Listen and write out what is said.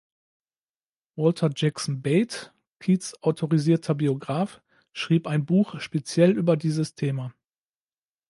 Walter Jackson Bate, Keats' autorisierter Biograf, schrieb ein Buch speziell über dieses Thema.